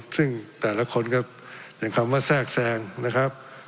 ซึ่งแต่ละคนก็ยังคำว่าแทรกแทรงนะครับ